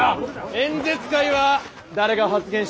演説会は誰が発言してもえい。